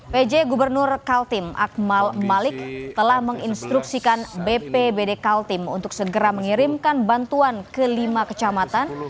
pj gubernur kaltim akmal malik telah menginstruksikan bpbd kaltim untuk segera mengirimkan bantuan ke lima kecamatan